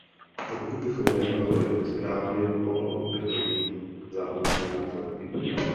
Pokud bychom reagovali nesprávně, mohlo by to mít závažné následky.